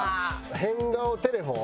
変顔テレフォン。